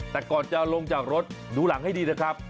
แต่ก่อนจะลงจากรถดูหลังให้ดีนะครับ